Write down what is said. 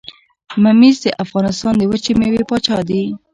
ممیز د افغانستان د وچې میوې پاچا دي.